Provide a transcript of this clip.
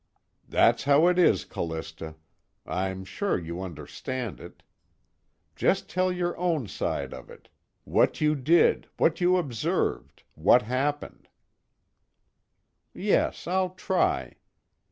"That's how it is, Callista. I'm sure you understand it. Just tell your own side of it what you did, what you observed, what happened." "Yes, I'll try.